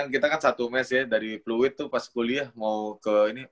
kita kan satu mes ya dari fluid tuh pas kuliah mau ke ini